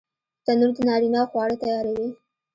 تنور د نارینه وو خواړه تیاروي